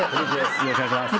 よろしくお願いします。